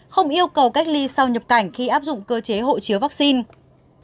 không yêu cầu cách ly sau nhập cảnh khi áp dụng cơ chế hộ chiếu vaccine